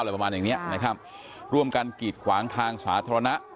ประมาณอย่างเนี้ยนะครับร่วมกันกีดขวางทางสาธารณะ